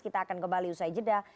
kita akan kembali usai jeda